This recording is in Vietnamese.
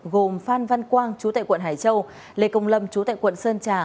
gồm phan văn quang chú tại quận hải châu lê công lâm chú tại quận sơn trà